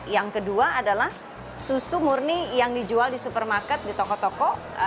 yang kedua adalah susu murni yang dijual di supermarket di toko toko